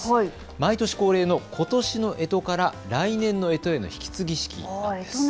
毎年恒例のことしのえとから来年のえとへの引き継ぎ式。